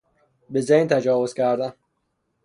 به زنی تجاوز کردن